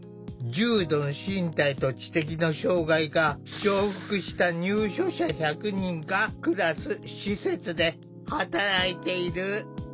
重度の身体と知的の障害が重複した入所者１００人が暮らす施設で働いている。